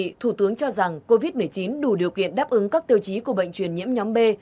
chủ tịch cho rằng covid một mươi chín đủ điều kiện đáp ứng các tiêu chí của bệnh truyền nhiễm nhóm b